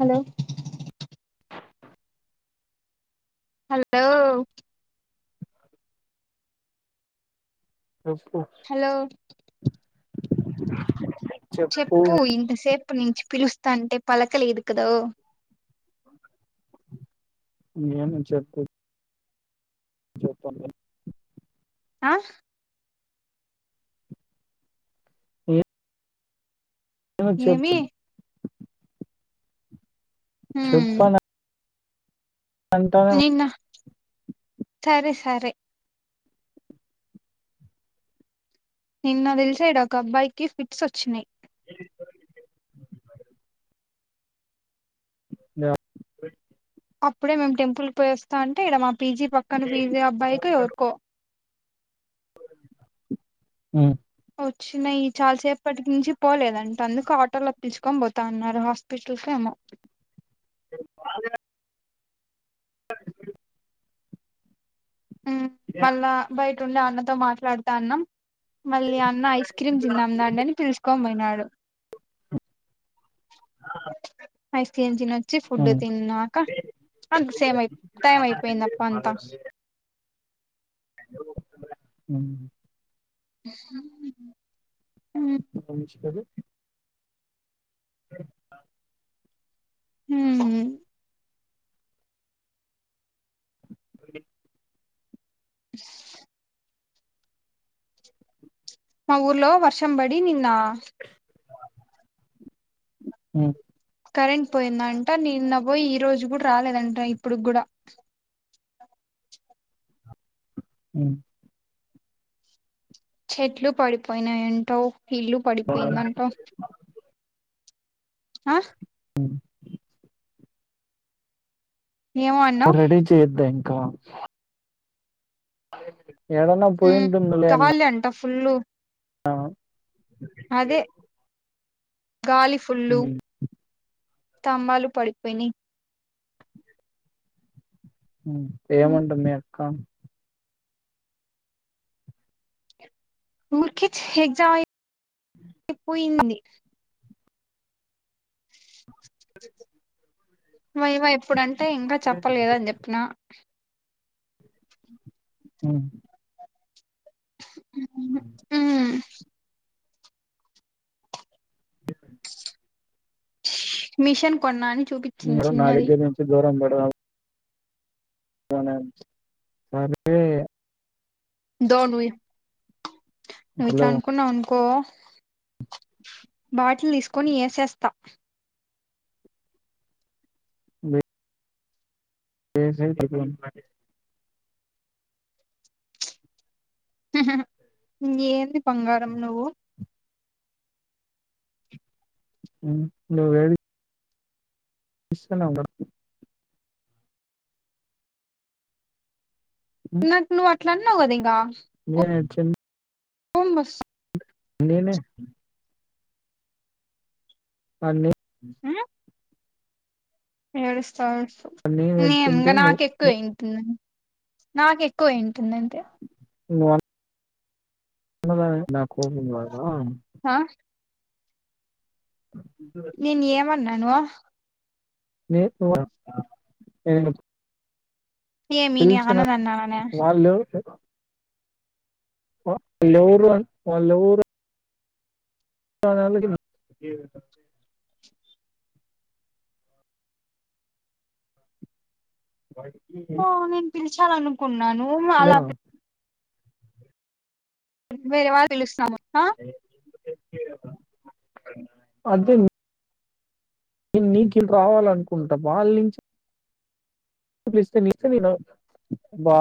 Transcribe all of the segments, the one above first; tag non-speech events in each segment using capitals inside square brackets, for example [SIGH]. hello hello ఆ చెప్పు hello చెప్పు ఇంతసేపు నుంచి పిలుస్తా అంటే పలకలేదు కదా ఏమి చెప్పి చెప్పలి ఆ ఇ చి వచ్చ ఏమి హ చెప్పను అంటానే నిన్న సరే సరే నిన్న తెలిసాడు ఒక అబ్బాయికిి ఫిట్స్ వచ్చినాయి ఏ అప్పుడే మేము టెంపుల్కి పోయోస్తాంటే ఈడ మా పీజీ పక్కన ఫీజీ అబ్బాయికి ఎవరుకో ఉ వచ్చినాయి చాలా సేపటి నుంచి పోలేదంట అందుకు ఆటోలో పిలుుకొని పోతాన్నారు హాస్పిటల్కో ఏమో అగా స ఉమ్ మళ్ళా బయట ఉండి అన్నతో మాట్లాడుతాన్నం మళ్ళీ అన్న ఐస్ క్రీమ్ తిన్నాం దాండి అని పిలుచుకొని పోయినాడు ఐస్ క్రీమ్ తిన్న వచ్చి ఫుడ్ తిన్నాక అ సేమ్ టైం అయిపోయిందప్ప అంతా ఉ ఉమ్ కంచి కరి అ ఊ ఉ అడి మా ఊర్లో వర్షం బడి నిన్న ఉ కరెంట్ పోయిందంట నిన్న పోయి ఈ రోజు కూడా రాలేదంట ఇప్పుడు కూడా ఉ చెట్లు పడిపోయినాయంట ఒక ఇల్లు పడిపోయిందంట అ ఉ ఏమో అన్నావ్ రెడీ చేయద్దా ఇంకా ఎడనా ఉమ్ పోయింటందిలేన గాలి అంట ఫుల్లు ఆ అదే గాలి ఫుల్లు ఉమ్, స్తంభాలు పడిపోయినయ్ ఉ ఏముంటుంది అక్క ఊరికే ఎగ్జామ్ అయిపోయింది వైవా ఎప్పుడంటే ఇంకా చెప్పలేదు అని చెప్పిన ఉ ఉమ్ మిషన్ కొన్నా చూపించింది మీరు నా చిన్నది దగ్గర నుండి దూరం బేడ సరే దొ నువు ఇ నువ్ హలో ఇట్లనుకున్నవనుకో బాటిలు తీసుకొని ఏసేస్తా బె జ ఏంది బంగారం నువ్వు మ్ నువ్వే ఇే అ నాకు నువ్వు అట్లాన్నావు కద ఇగ చెన్ ఓమ్బస్ నేనే అన్ని ఏడుస్తవ్ ఏడుస్తవ్ నేను నీఎంద ఏడ్చింటే నువ్వు నాకు ఎక్కువ ఏంటి నాకు ఎక్కువ ఏంటుదంటే ఇవ్వన్ అన్నదా నా కోపం రాద ఆ అ నిన్ను ఏమన్నాను ఎళ్ళు ఏమి నే పిల్చిన అనను అన్నానే వాళ్ళు అ వీళ్ళేర్వన్ వాళ్ళు ఎవ్వరు మా నాన్న కింద వాడికియే ఉంచాలనుకున్నాను అలా వేరే వాళ్ళు పిలుస్తాము అ వద్దు నీకి రావాలనుకుంట వాళ్ నించి పిలిస్తే నీ ఇష్టమెన బ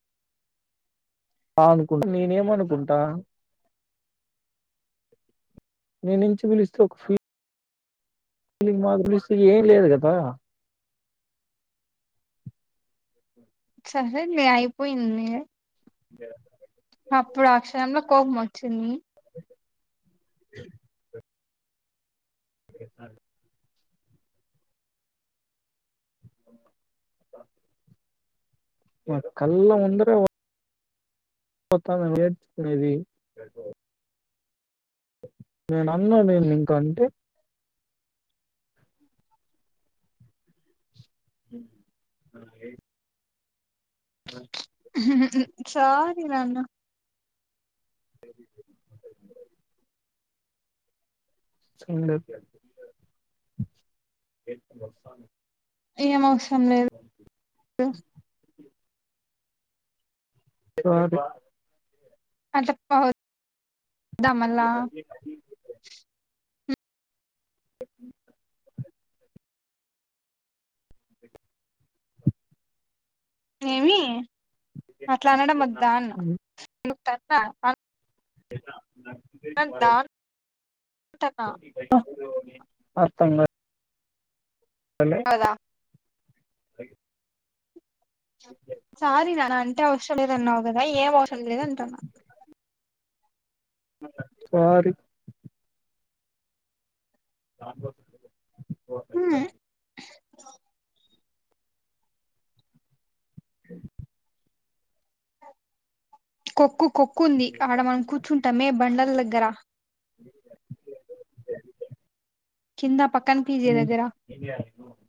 అనుకొని నేనేమనుకుంటా నీనించి పిలిస్తే ఒక ఫీల్ ఇల్ మాకు పిలిస్తే ఏం లేదు కదా సరేలే అయిపోయింది వే అప్పుడు ఆ క్షణంలో కోపం వచ్చింది మీకిస్తన్ అబ్బ వాడు కళ్ళ ముందురే కొత్తగ నేర్చుకునేది నేను అన్ను నేను ఇంకంటే మ్ నాగే అ సారీ న్నాన వేరి వేరి అంటే ఇంటరాగే సండేతే ఈవినింగ్ వస్తాను ఏం అవసరం లేదు స్వాతివ అట్ల పా ద్దామళ్ళ ఏమి అట్లా అనడం వద్దా అన్న ఎ అంతా [UNINTELLIGIBLE] అర్థంగా లే కదా సార నా అంటే వష [UNINTELLIGIBLE] న్నావు కదా ఏం అవసరం లేదు అంటున్నా సారీ చె కొక్కు కొక్కు ఉంది ఆడ మనం కూర్చుంటామే బండల దగ్గర కింద ఆ ప ఇ [INAUDIBLE]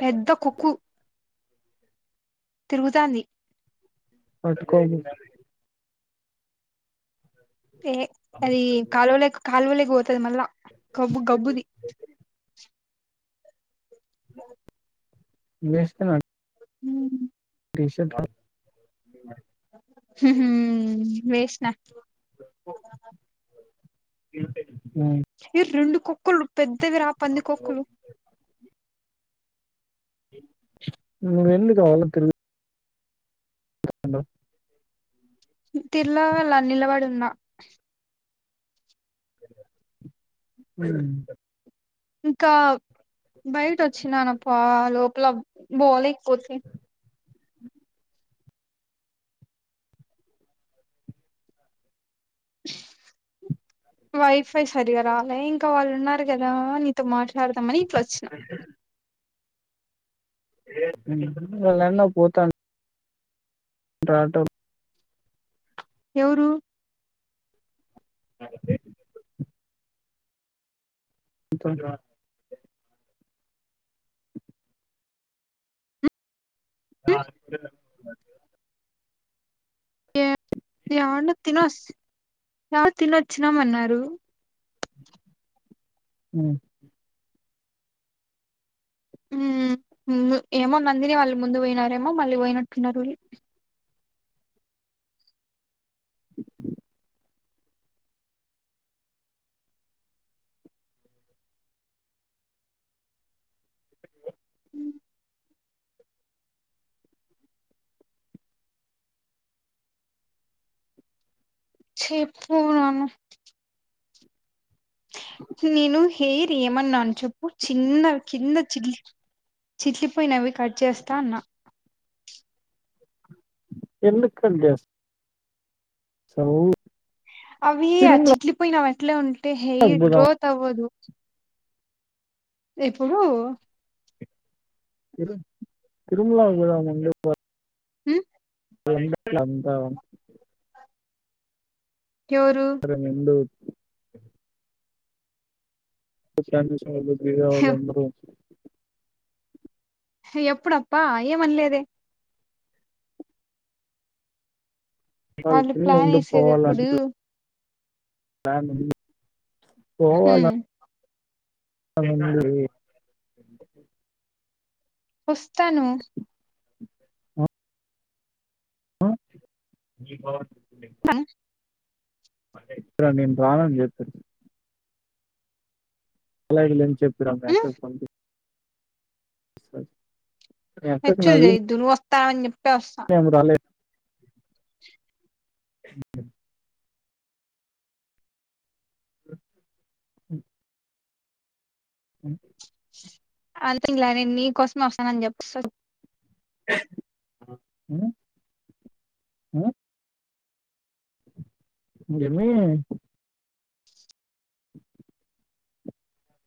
పెద్ద కొక్కు తిరుగుతాంది పట్టుకో ఏ అది కాలవలోకి కాలువలోకి పో తది మళ్ళా గబ్బు గబ్బుది ఏమ్ చేస్తున్నావ్ ఉం టీషర్ట్ [UNINTELLIGIBLE] హ్ హమ్ వేస్నా ఏంటది ఏ రెండు కొక్కులు పెద్దవి రా పంది కోక్కులు ను ఎందు కా వళ్ళ తెరు [UNINTELLIGIBLE] [INAUDIBLE] తిల్లా వెాల నిలబడి ఉన్నా [UNINTELLIGIBLE] ఉం ఇంకా బయట వచ్చినాను పా లోపల బోలే [UNINTELLIGIBLE] పోతే వైఫై సరిగా రాలే ఇంకా వాళ్ళు ఉన్నారు కదా నీతో మాట్లాడదామని ఇట్లా వచ్చినా న్న పోతాను [UNINTELLIGIBLE] ంట్రాటహాయ్ [UNINTELLIGIBLE] ఎవురు అ [UNINTELLIGIBLE] త ఉమ్ ఇ ఏ ఎ తిన ఎ తినొచ్చినామ అన్నారు [UNINTELLIGIBLE] ఉం ఉం ఏమో నందిని వాళ్ళు ముందు పోయినారేమో మళ్ళీ పోయినట్టున్నారుళ్ళు ఛీ పూనను నేను హెయిర్ ఏమన్నాను చెప్పు చిన్న కింద చిల్లి చిట్లిపోయినవి కట్ చేస్తా అన్నా ఎందు కట్ చేస్త సౌ అవి ఆ చిట్లి పోయిన అట్ల ఉంటే హెయిర్ పోదాం గ్రోత్ అవ్వదు ఎప్పుడు రు తిరుమల పోదాం అని చెప్పిన మ్ అంతా ఎవరు సరే నిందు ఫ్రీగా వాల్లందరు ఎప్పుడప్పా ఏమన్లేదే వాళ్ళు కి ప్లాన్ ఉండి వేసేది ఎప్పుడు పోవాలంటన దానికి ఉమ్ [UNINTELLIGIBLE] వస్తాను అ ఇప్పుడా నేన్ రానని జెప్పెయి అలాని చెప్పారు అక్కడ హ్మ్ ఎక్కడ స ఎచ్చుల్ చేయోద్దు నువ్వు వస్తాన్ అని చెప్ ఏ అందుకాల్లె అ అ అంతే ఇలా నే నీకోసమే వస్తానని చెప్ప అ ఏమీ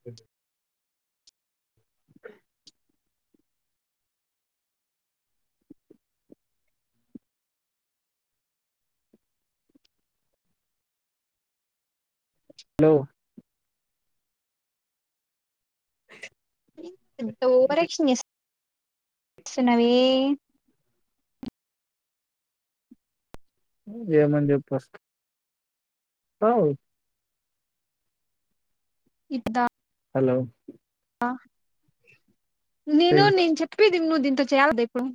అ హెలో ఇంత ఒవర్యాక్షన్ చేస్తున్న వె ఏమని చెప్పస్ అవ్ ఇప్పుద హలో అ నేను చెయ్యి నేన్ చెప్పేది నువ్వు దీంతో చేయాల దె ఎప్పుడు